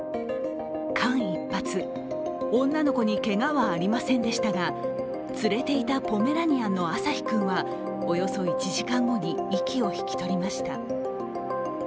間一髪、女の子にけがはありませんでしたが連れていた犬のポメラニアンの朝陽君はおよそ１時間後に息を引き取りました。